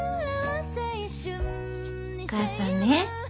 お母さんね